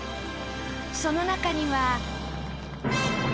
その中には。